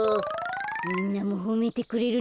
みんなもほめてくれるな。